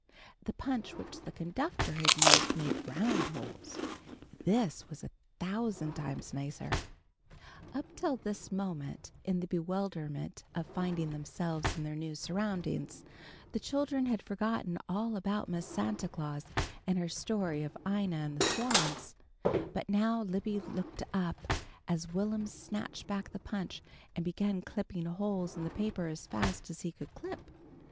The punch which the conductor had used made round holes. This was a thousand times nicer. [Illustration: The shower of stars falling on the blanket made her think of the star flower] Up till this moment, in the bewilderment of finding themselves in their new surroundings, the children had forgotten all about Miss Santa Claus and her story of Ina and the swans. But now Libby looked up, as Will'm snatched back the punch and began clipping holes in the paper as fast as he could clip.